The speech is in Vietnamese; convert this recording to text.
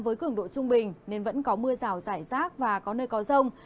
với cường độ trung bình nên vẫn có mưa rào rải rác và có nơi có rông